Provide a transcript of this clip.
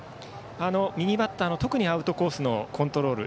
右バッターの特にアウトコースのコントロール。